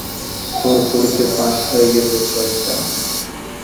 তোর পরিচয় ফাঁস হয়ে গেছে, শয়তান!